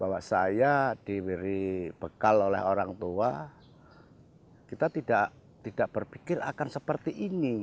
bahwa saya diberi bekal oleh orang tua kita tidak berpikir akan seperti ini